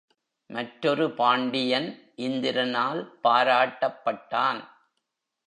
மற்றொரு பாண்டியன் இந்திரனால் பாராட்டப்பட்டான்.